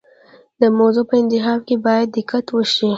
د موضوع په انتخاب کې باید دقت وشي.